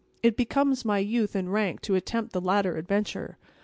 It becomes my youth and rank to attempt the latter adventure.